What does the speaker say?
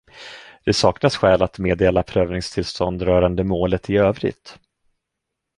Det saknas skäl att meddela prövningstillstånd rörande målet i övrigt.